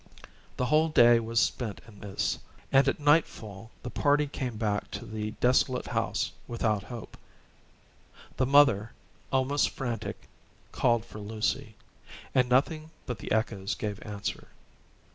The whole day was spent in this; and at nightfall the party came back to the desolate house without hope. The mother, almost frantic, called for Lucy, and nothing but the echoes gave answer.